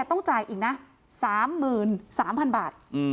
ต้องจ่ายอีกนะ๓๓๐๐๐บาท